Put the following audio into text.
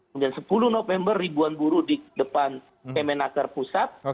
kemudian sepuluh november ribuan buruh di depan kemenaker pusat